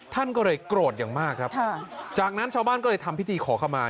ท่านก็เลยโกรธอย่างมากครับจากนั้นชาวบ้านก็เลยทำพิธีขอขมา